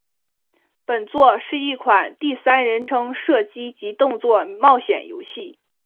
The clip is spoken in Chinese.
本作是一款第三人称射击及动作冒险游戏。